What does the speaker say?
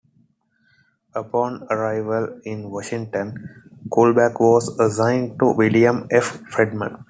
Upon arrival in Washington, Kullback was assigned to William F. Friedman.